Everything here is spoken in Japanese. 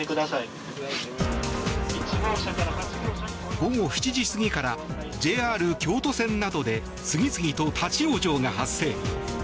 午後７時過ぎからＪＲ京都線などで次々と立ち往生が発生。